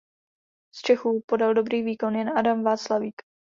Z Čechů podal dobrý výkon jen Adam Václavík.